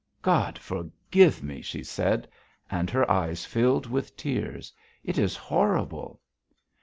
"God forgive me!" she said, and her eyes filled with tears. "It is horrible."